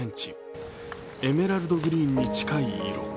エメラルドグリーンに近い色。